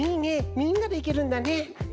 みんなでいけるんだね。